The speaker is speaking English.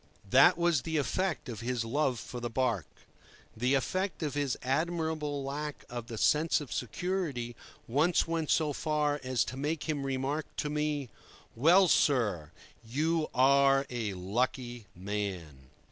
That was the effect of his love for the barque. The effect of his admirable lack of the sense of security once went so far as to make him remark to me: "Well, sir, you are a lucky man!"